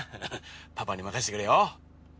パパに任せてくれよ！